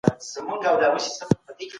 ده د شعر له لارې تعليم ورکړ